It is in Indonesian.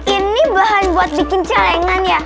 ini bahan buat bikin celengan ya